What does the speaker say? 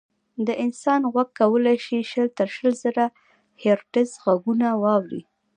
د انسان غوږ کولی شي شل څخه تر شل زره هیرټز غږونه واوري.